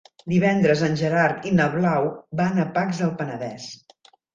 Divendres en Gerard i na Blau van a Pacs del Penedès.